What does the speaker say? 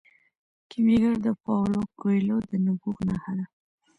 کیمیاګر د پاولو کویلیو د نبوغ نښه ده.